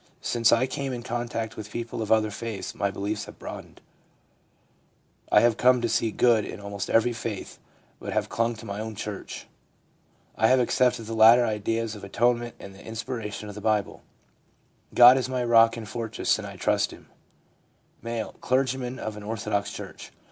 Since I came in contact with people of other faiths my beliefs have broadened ; I have come to see good in almost every faith, but have clung to my own church. I have accepted the later ideas of the atonement and the inspiration of the Bible. God is my rock and fortress, and I trust Him/ M. (Clergyman of an orthodox church.)